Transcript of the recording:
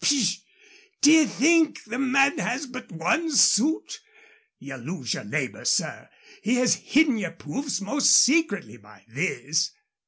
"P'sh! Do ye think the man has but one suit? Ye'll lose your labor, sir. He has hidden yer proofs most secretly by this."